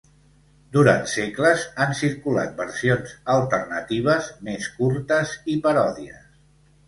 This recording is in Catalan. Durant segles han circulat versions alternatives, més curtes i paròdies.